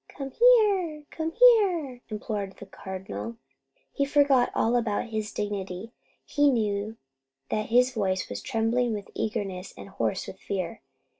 "Come here! Come here!" implored the Cardinal. He forgot all about his dignity. He knew that his voice was trembling with eagerness and hoarse with fear.